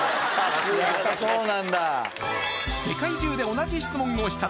そうなんだ！